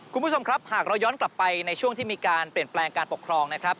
คุณผู้ชมครับหากเราย้อนกลับไปในช่วงที่มีการเปลี่ยนแปลงการปกครองนะครับ